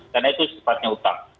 karena itu sepatunya hutang